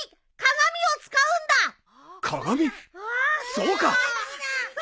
そうか。